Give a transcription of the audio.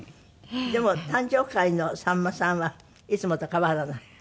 でも誕生会のさんまさんはいつもと変わらない？